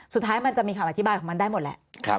สุดท้ายมันจะมีคำอธิบายของมันได้หมดแหละ